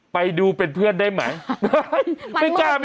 ไปดูเป็นเพื่อนได้ไหม